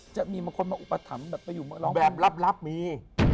จะมีบางคนมาอุปถัมภ์แบบรับมี